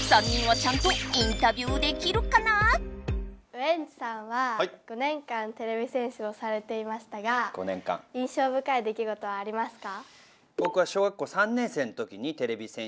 ウエンツさんは５年間てれび戦士をされていましたが印象ぶかい出来ごとはありますか？